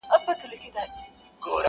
زموږ غاښو ته تيږي نه سي ټينگېدلاى.!